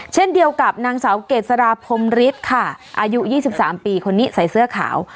เช่นเดียวกับนางสาวเกษราพรมฤทธิ์ค่ะอายุ๒๓ปีคนนี้ใส่เสื้อขาว